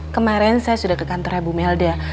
kemarin saya sudah ke kantornya bu melda